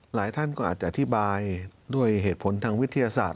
หลายท่านก็อาจจะอธิบายด้วยเหตุผลทางวิทยาศาสต